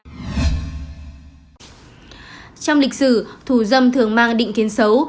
trong lịch sử thủ dâm thường mang định kiến xấu